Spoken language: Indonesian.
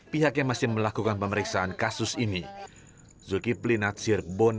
pihaknya masih melakukan pemeriksaan kasus ini